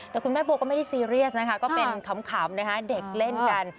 แต่คุณแม่โบก็ไม่ได้ซีเรียสนะคะก็เป็นขำนะคะเด็กเล่นกัน